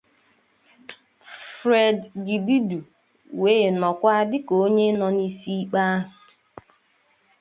Fred Gidudu wee nọkwa dịka onye nọ n'isi ikpe ahụ